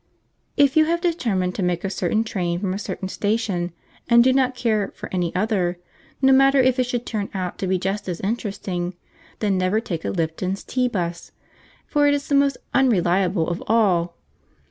If you have determined to take a certain train from a certain station, and do not care for any other, no matter if it should turn out to be just as interesting, then never take a Lipton's Tea 'bus, for it is the most unreliable of all.